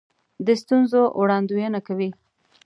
د ستونزو وړاندوینه کوي.